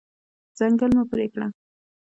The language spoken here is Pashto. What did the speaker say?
ځنګل مه پرې کړه.